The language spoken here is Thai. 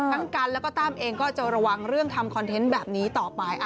กันแล้วก็ตั้มเองก็จะระวังเรื่องทำคอนเทนต์แบบนี้ต่อไป